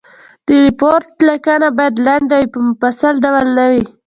د ریپورټ لیکنه باید لنډ وي په مفصل ډول نه وي.